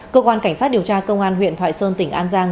cơ quan cảnh sát điều tra công an huyện thoại sơn tỉnh an giang